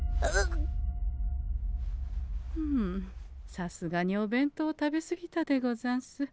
ふうさすがにお弁当を食べ過ぎたでござんす。